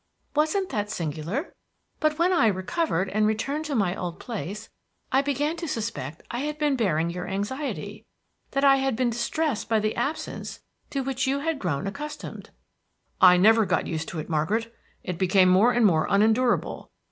Wasn't that singular? But when I recovered, and returned to my old place, I began to suspect I had been bearing your anxiety, that I had been distressed by the absence to which you had grown accustomed." "I never got used to it, Margaret. It became more and more unendurable.